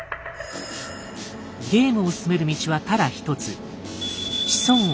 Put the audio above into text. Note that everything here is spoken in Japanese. ゲームを進める道はただ一つ。